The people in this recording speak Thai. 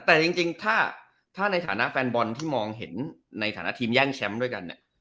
แต่จริงถ้าในฐานะแฟนบอลที่มองเห็นในฐานะทีมแย่งแชมป์ด้วยกันเนี่ย